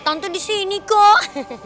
tante di sini kok